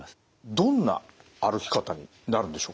どんな歩き方になるんでしょうか？